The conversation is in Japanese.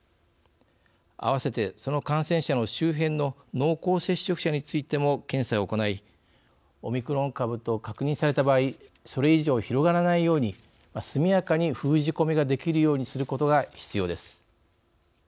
併せてその感染者の周辺の濃厚接触者についても検査を行いオミクロン株と確認された場合それ以上広がらないように速やかに封じ込めができるようにすることが必要です。